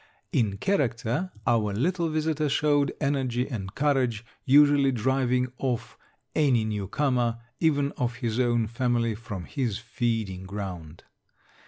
In character our little visitor showed energy and courage, usually driving off any new comer, even of his own family, from his feeding ground.